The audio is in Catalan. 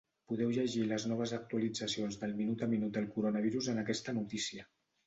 Podeu llegir les noves actualitzacions del minut a minut del coronavirus en aquesta notícia.